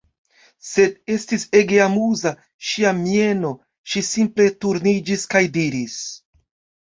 Sed, estis ege amuza, ŝia mieno, ŝi simple turniĝis kaj diris: